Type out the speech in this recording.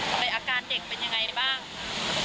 แล้วอาการเด็กเป็นอย่างไรบ้าง